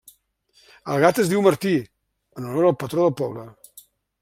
El gat es diu Martí, en honor al patró del poble.